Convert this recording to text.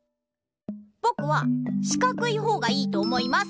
ぼくはしかくいほうがいいと思います。